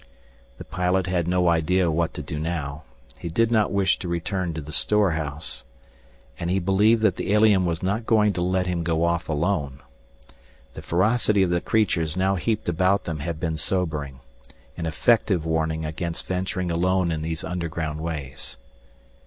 The pilot had no idea what to do now. He did not wish to return to the storehouse. And he believed that the alien was not going to let him go off alone. The ferocity of the creatures now heaped about them had been sobering, an effective warning against venturing alone in these underground ways.